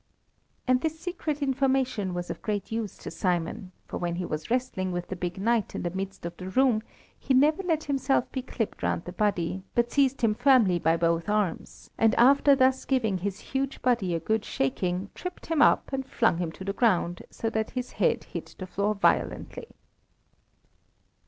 And this secret information was of great use to Simon, for when he was wrestling with the big knight in the midst of the room, he never let himself be clipt round the body, but seized him firmly by both arms, and after thus giving his huge body a good shaking, tripped him up and flung him to the ground so that his head hit the floor violently.